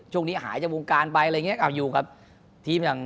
ช่วงนี้หายจากวงการไปอยู่กับทีมอย่าง